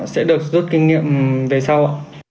sẽ được rút kinh nghiệm về sau